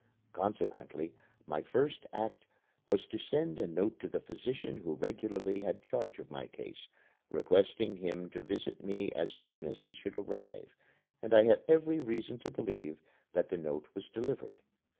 Consequently, my first act was to send a note to the physician who regularly had charge of my case, requesting him to visit me as soon as he should arrive, and I have every reason to believe that the note was delivered.